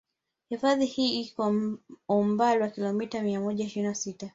Hifadhi hii iko umbali wa kilometa mia moja ishirini na sita